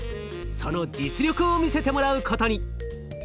その実力を見せてもらうことに。